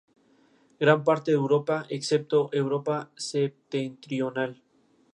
Tiene su origen en una antigua alquería árabe.